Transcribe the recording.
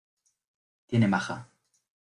Tiene maja.